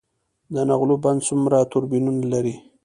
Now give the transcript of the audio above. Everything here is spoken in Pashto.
د نغلو بند څومره توربینونه لري؟